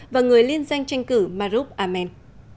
và người liên danh tranh cử marouk ahmed